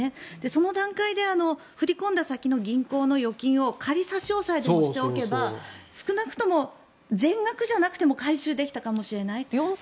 その段階で振り込んだ先の銀行の預金を仮差し押さえでもしておけば少なくとも、全額じゃなくても回収できたかもしれない。